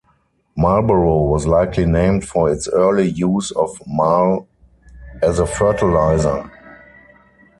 Marlboro was likely named for its early use of marl as a fertilizer.